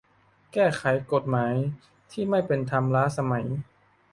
แก้ไขกฎหมายที่ไม่เป็นธรรม ล้าสมัย